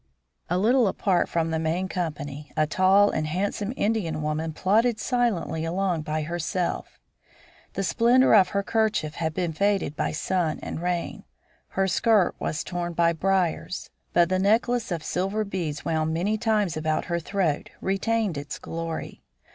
A little apart from the main company a tall and handsome Indian woman plodded silently along by herself. The splendor of her kerchief had been faded by sun and rain; her skirts were torn by briers, but the necklace of silver beads wound many times about her throat retained its glory.